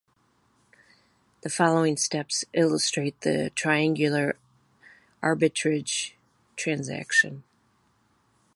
The following steps illustrate the triangular arbitrage transaction.